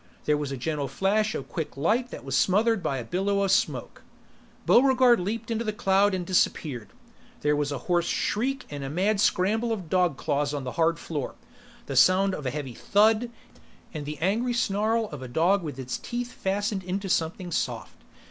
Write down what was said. There was a gentle flash of quick light that was smothered by a billow of smoke. Buregarde leaped into the cloud and disappeared. There was a hoarse shriek and the mad scrabble of dog claws on the hard floor, the sound of a heavy thud, and the angry snarl of a dog with its teeth fastened into something soft.